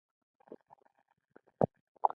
دا بیا څه خبره ده.